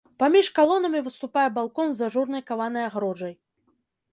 Паміж калонамі выступае балкон з ажурнай каванай агароджай.